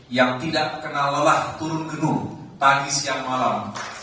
yang tidak kenal lelah turun gedung tadi siang malam